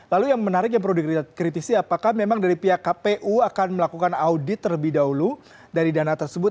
lalu yang menarik yang perlu dikritisi apakah memang dari pihak kpu akan melakukan audit terlebih dahulu dari dana tersebut